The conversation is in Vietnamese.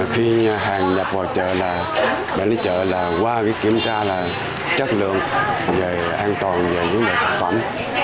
khi hàng nhập vào chợ là bên đấy chợ là qua cái kiểm tra là chất lượng về an toàn về những loại thực phẩm